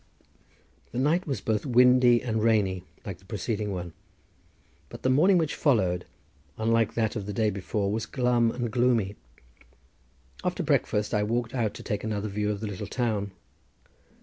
The night was both windy and rainy like the preceding one, but the morning which followed, unlike that of the day before, was dull and gloomy. After breakfast I walked out to take another view of the little town.